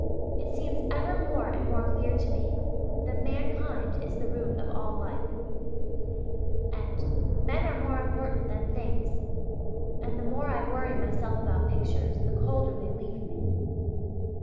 It seems ever more and more clear to me that mankind is the root of all life" (page 89); and "Men are more important than things, and the more I worry myself about pictures the colder they leave me" (page 131).